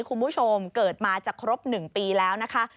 คุณผู้ชมเกิดมาจะครบ๑ปีแล้วนะคะ